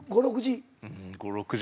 ５６時？